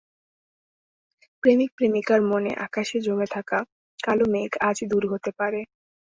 প্রেমিক প্রেমিকার মনের আকাশে জমে থাকা কালো মেঘ আজ দূর হতে পারে।